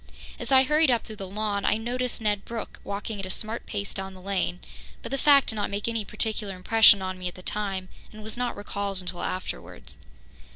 As I hurried up through the lawn, I noticed Ned Brooke walking at a smart pace down the lane, but the fact did not make any particular impression on me at the time, and was not recalled until afterwards.